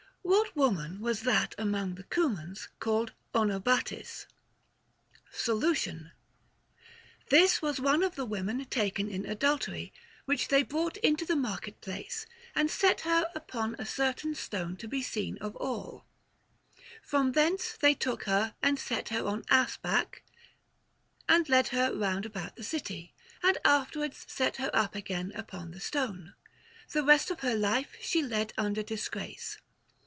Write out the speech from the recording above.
What woman was that among the Cumans called Onobatis \ Solution. This was one of the women taken in adul tery, which they brought into the market place, and set her upon a certain stone to be seen of all ; from thence they took her and set her on ass back, and led her round about the city, and afterwards set her up again upon the stone ; the rest of her life she led under disgrace.